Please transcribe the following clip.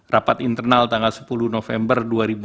rapat internal tanggal sepuluh november